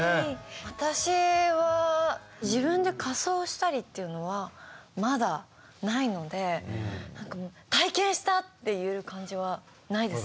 私は自分で仮装したりというのはまだないので体験したっていう感じはないですね。